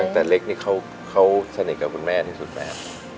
ตั้งแต่เล็กนี่เขาสนิทกับคุณแม่ที่สุดแม่